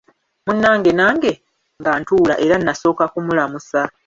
Munnange nange nga ntuula era nasooka kumulamusa.